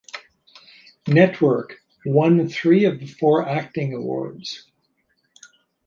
"Network" won three of the four acting awards.